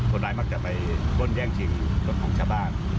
คนร้ายมักจะไปปล้นแย่งชิงรถของชาวบ้าน